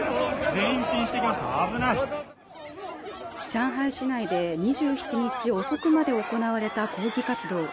上海市内で２７日遅くまで行われた抗議活動。